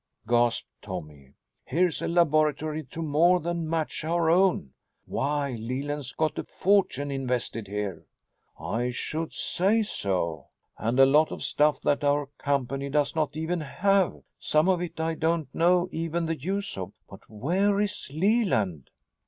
gasped Tommy. "Here's a laboratory to more than match our own. Why, Leland's got a fortune invested here!" "I should say so. And a lot of stuff that our company does not even have. Some of it I don't know even the use of. But where is Leland?"